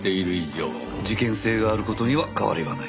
事件性がある事には変わりはない。